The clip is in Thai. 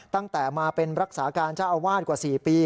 ตั้งแต่มาเป็นรักษาการเจ้าอาวาสกว่า๔ปี